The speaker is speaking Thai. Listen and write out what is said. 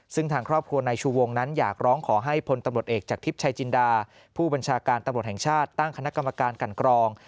ซึ่งทางครอบครัวนายชูวงนั้นอยากร้องขอให้พลตำรวจเอกจากทิพย์ชายจินดาผู้บัญชาการตำรวจแห่งชาติตั้งคณะกรรมการกันกรอง